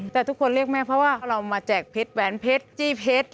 แต่ทุกคนเรียกแม่เพราะว่าเรามาแจกเพชรแหวนเพชรจี้เพชร